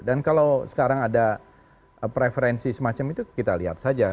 dan kalau sekarang ada preferensi semacam itu kita lihat saja